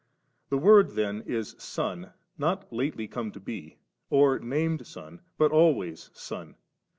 The Word then is Son, not lately come to be, or named Son, but always Son.